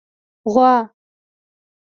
🐄 غوا